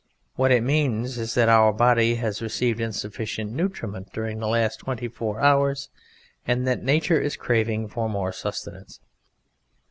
What it means is that Our body has received insufficient nutriment during the last twenty four hours, and that Nature is craving for more sustenance.